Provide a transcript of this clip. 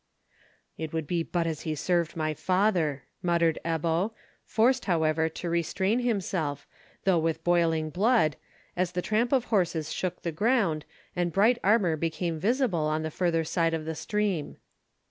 "It would be but as he served my father!" muttered Ebbo, forced, however, to restrain himself, though with boiling blood, as the tramp of horses shook the ground, and bright armour became visible on the further side of the stream.